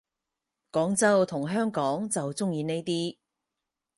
廣州同香港就鍾意呢啲